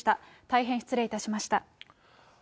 大変失礼しました。